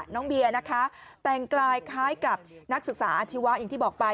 น้องเบียร์นะคะแต่งกายคล้ายกับนักศึกษาอาชีวะอย่างที่บอกไป